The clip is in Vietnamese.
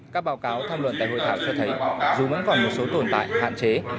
các báo cáo tham luận tại hội thảo cho thấy dù vẫn còn một số tồn tại hạn chế